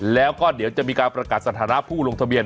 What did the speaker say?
แล้วก็เดี๋ยวจะมีการประกาศสถานะผู้ลงทะเบียน